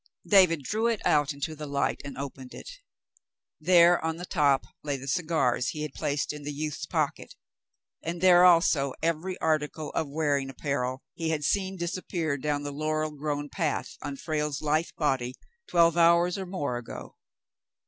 David drew it out into the light and opened it. There David aids Frale to Escape 67 on the top lay the cigars he had placed in the youth's pocket, and there also every article of wearing apparel he had seen disappear down the laurel grown path on Frale's lithe body twelve hours or more ago.